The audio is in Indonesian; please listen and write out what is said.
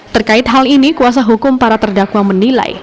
terkait hal ini kuasa hukum para terdakwa menilai